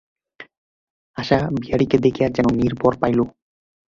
আশা বিহারীকে দেখিয়া যেন নির্ভর পাইল।